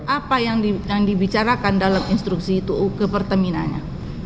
apa yang dibicarakan dalam instruksi itu ke pertamina nya